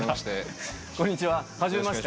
はじめまして。